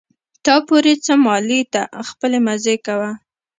تا پورې څه مالې ته خپلې مزې کوه.